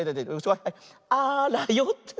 あらよって。